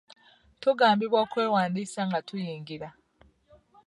Tugambibwa okwewandiisa nga tuyingira.